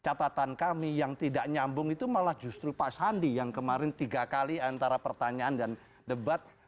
catatan kami yang tidak nyambung itu malah justru pak sandi yang kemarin tiga kali antara pertanyaan dan debat